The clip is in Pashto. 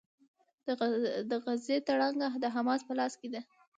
د غزې تړانګه د حماس په لاس کې ده.